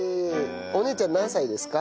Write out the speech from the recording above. お姉ちゃん何歳ですか？